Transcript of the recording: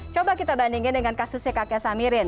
coba kita bandingkan dengan kasusnya kakek samirin